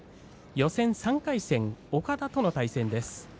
予選３回戦岡田との対戦です。